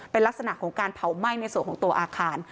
เป็นลักษณะของการเผาไหม้ในส่วนของตัวอาคาร